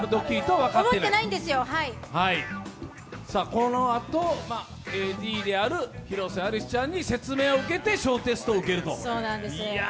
このあと、ＡＤである広瀬アリスちゃんに説明を受けて小テストを受けると。